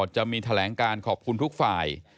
จะมีแถลงการขอบคุณทุกฝ่าย